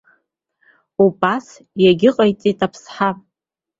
Убас егьыҟаиҵеит аԥсҳа.